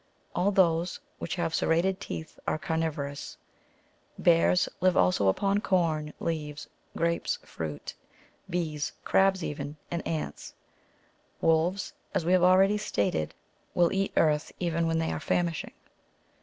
All those which have serrated teeth are carnivorous. Bears live also upon corn, leaves, grapes, fruit, bees, crabs even, and ants ; wolves, as we have already ^^ stated, will eat earth even when they are famishing.